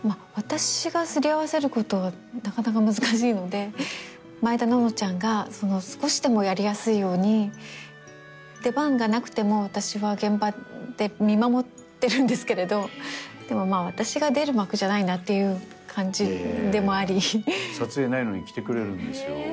私がすり合わせることはなかなか難しいので毎田暖乃ちゃんが少しでもやりやすいように出番がなくても私は現場で見守ってるんですけれどでもまあ私が出る幕じゃないなっていう感じでもあり撮影ないのに来てくれるんですよ